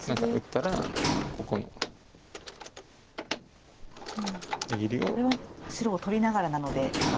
これは白を取りながらなので。